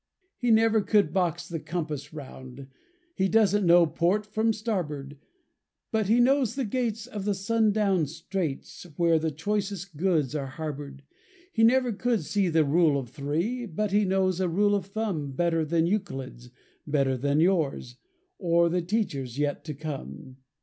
He never could box the compass round; He doesn't know port from starboard; But he knows the gates of the Sundown Straits, Where the choicest goods are harbored. He never could see the Rule of Three, But he knows a rule of thumb Better than Euclid's, better than yours, Or the teachers' yet to come.